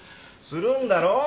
するんだろ？